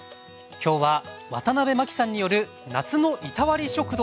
今日はワタナベマキさんによる「夏のいたわり食堂」